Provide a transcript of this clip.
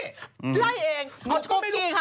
ไล่เองเอาทูบจี้ครับ